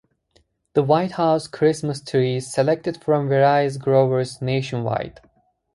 The White House Christmas tree is selected from various growers nationwide.